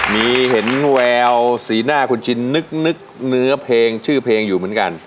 มีเห็นแววสีหน้าคุณชินนึกเนื้อเพลงชื่อเพลงอยู่เหมือนกัน